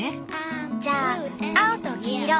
じゃあ青と黄色。